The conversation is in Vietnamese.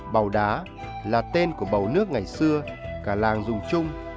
màu đá là tên của bầu nước ngày xưa cả làng dùng chung